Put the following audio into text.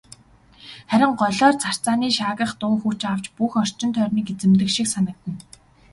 Харин голио царцааны шаагих дуу хүч авч бүх орчин тойрныг эзэмдэх шиг санагдана.